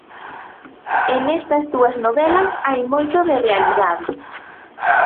E nestas dúas novelas hai moito de realidade.